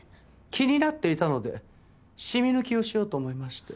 気になっていたので染み抜きをしようと思いまして。